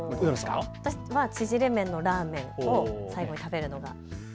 私は縮れ麺のラーメンを最後に食べるのが。